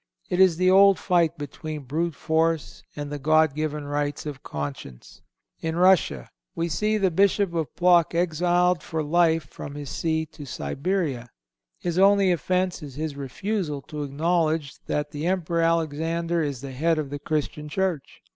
It is the old fight between brute force and the God given rights of conscience. In Russia we see the Bishop of Plock exiled for life from his See to Siberia. His only offence is his refusal to acknowledge that the Emperor Alexander is the head of the Christian Church.